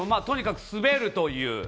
とにかく滑るという。